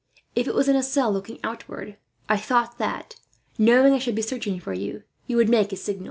If it was in a cell looking outward, I thought that, knowing I should be searching for you, you would make a signal.